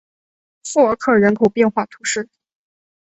富尔克人口变化图示